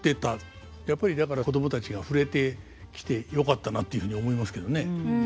やっぱりだから子供たちが触れてきてよかったなっていうふうに思いますけどね。